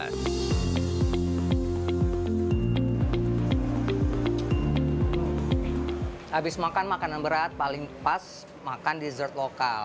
habis makan makanan berat paling pas makan dessert lokal